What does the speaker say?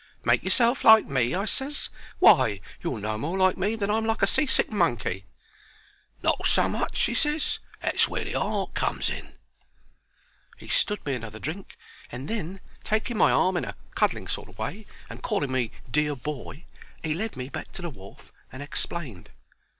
"Make yourself like me?" I ses. "Why, you're no more like me than I'm like a sea sick monkey." "Not so much," he ses. "That's where the art comes in." He stood me another drink, and then, taking my arm in a cuddling sort o' way, and calling me "Dear boy," 'e led me back to the wharf and explained.